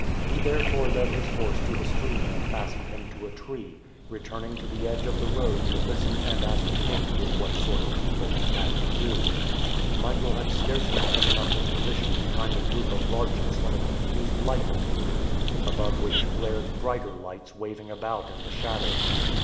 He therefore led his horse to the stream and fastened him to a tree, returning to the edge of the road to listen and ascertain with what sort of people he had to do. Michael had scarcely taken up his position behind a group of larches when a confused light appeared, above which glared brighter lights waving about in the shadow.